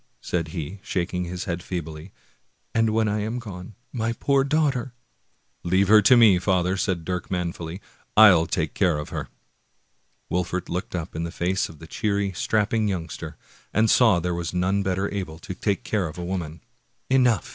" said he, shaking his head feebly, " and when I am gone, my poor daughter " "Leave her to me, father!" said Dirk manfully; "I'll take care of her! " Wolfert looked up in the face of the cheery, strapping youngster, and saw there was none better able to take care of a woman. Exhausted.